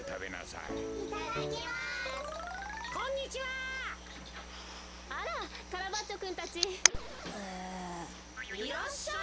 「いらっしゃい」って。